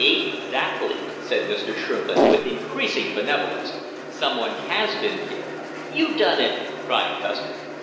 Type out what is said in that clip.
"Exactly!" said Mr. Shrimplin with increasing benevolence. "Some one has been killed!" "You done it!" cried Custer.